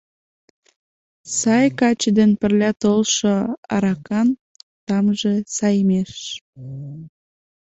Сай каче дене пырля толшо аракан тамже саемеш.